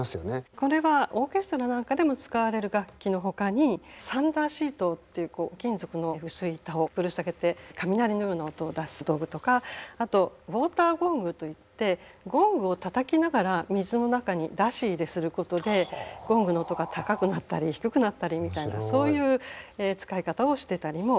これはオーケストラなんかでも使われる楽器のほかにサンダーシートっていう金属の薄い板をぶら下げて雷のような音を出す道具とかあとウォーターゴングといってゴングをたたきながら水の中に出し入れすることでゴングの音が高くなったり低くなったりみたいなそういう使い方をしてたりもします。